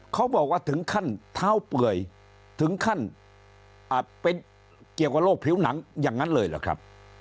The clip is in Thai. เขาบอกว่าถึงขั้นเท้าเปื่อยถึงขั้นเป็นเกี่ยวกับโรคผิวหนังอย่างนั้นเลยเหรอครับ